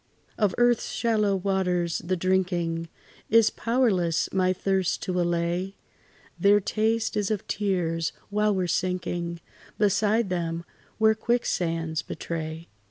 Of earth's shallow waters the drinking Is powerless my thirst to allay; Their taste is of tears, while we 're sinking Beside them, where quicksands betray.